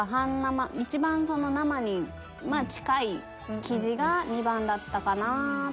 一番生に近い生地が２番だったかなと。